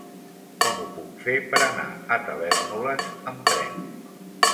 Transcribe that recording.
Com ho puc fer per anar a Tavèrnoles amb tren?